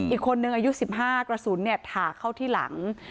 อีกคนหนึ่งอายุ๑๕กระสุนเนี่ยถ่าเข้าที่หลัง